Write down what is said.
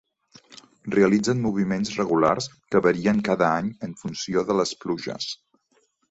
Realitzen moviments regulars que varien cada any en funció de les pluges.